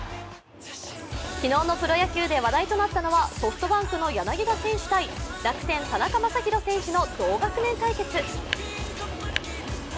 昨日のプロ野球で話題となったのはソフトバンクの柳田選手対楽天・田中将大選手の同学年対決。